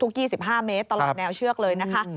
๒๕เมตรตลอดแนวเชือกเลยนะคะ